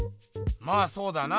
まあそうだな。